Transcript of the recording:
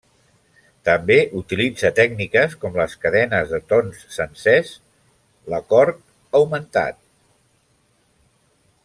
També utilitza tècniques com les cadenes de tons sencers, l'acord augmentat.